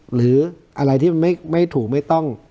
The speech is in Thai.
หรืออะไรที่มันไม่ถูกไม่ต้อง